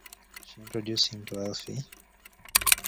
She introduced him to Alfie.